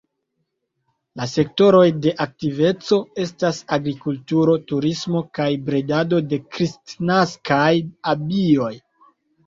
La sektoroj de aktiveco estas agrikulturo, turismo kaj bredado de kristnaskaj abioj.